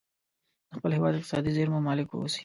د خپل هیواد اقتصادي زیرمو مالک واوسي.